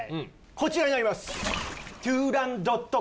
こちらになります。